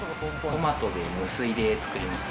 トマトで無水で作ります。